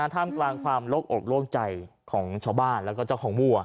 ท่ามกลางความโลกอกโล่งใจของชาวบ้านแล้วก็เจ้าของวัว